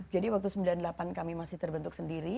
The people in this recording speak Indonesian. jadi waktu sembilan puluh delapan kami masih terbentuk sendiri